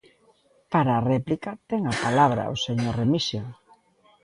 Para a réplica ten a palabra o señor Remixio.